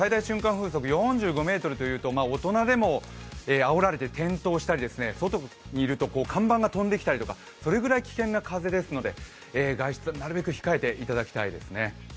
風速４５メートルというと大人でもあおられて転倒したり外にいると看板が飛んで来たりとかそれぐらい危険な風ですので外出はなるべく控えていただきたいですね。